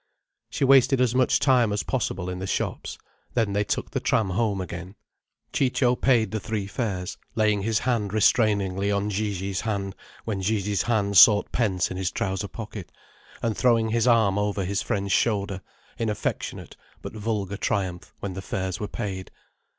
She wasted as much time as possible in the shops, then they took the tram home again. Ciccio paid the three fares, laying his hand restrainingly on Gigi's hand, when Gigi's hand sought pence in his trouser pocket, and throwing his arm over his friend's shoulder, in affectionate but vulgar triumph, when the fares were paid.